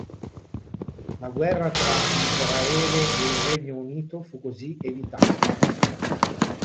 La "guerra tra Israele e il Regno Unito" fu così evitata.